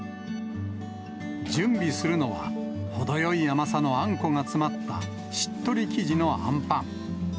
準備するのは、程よい甘さのあんこが詰まったしっとり生地のあんぱん。